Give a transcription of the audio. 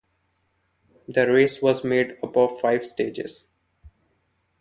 The race was made up of five stages.